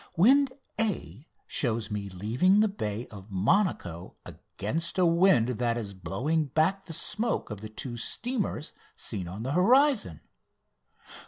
"Wind A" shows me leaving the bay of Monaco against a wind that is blowing back the smoke of the two steamers seen on the horizon.